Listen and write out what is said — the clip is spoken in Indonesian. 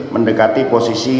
mendekati posisi tni